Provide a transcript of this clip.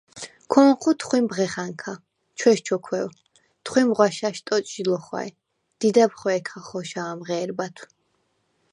ქო̄ნჴუ თხვიმ ბღეხა̈ნქა, ჩვესჩოქვევ, თხვიმ ღვაშა̈შ ტოტჟი ლო̄ხვა̈ჲ, დიდა̈ბ ხვე̄ქა ხოშა̄მ ღე̄რბათვ.